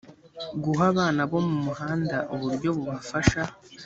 guha abana bo muhanda uburyo bubafasha